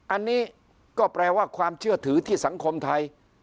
อันนี้ก็แปลว่าความเชื่อถือที่สังคมไทย